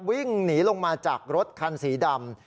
วิ่งหนีลงมาจากรถคันสีดำ